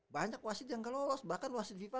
banyak wasit yang gak lolos bahkan wasit fifa